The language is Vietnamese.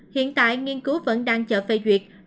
hiện tại nghiên cứu vẫn đang chờ phê duyệt